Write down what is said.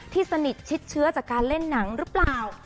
สนิทชิดเชื้อจากการเล่นหนังหรือเปล่า